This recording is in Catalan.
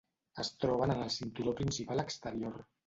Es troben en el cinturó principal exterior.